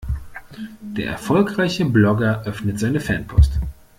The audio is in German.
Der erfolgreiche Blogger öffnet seine Fanpost.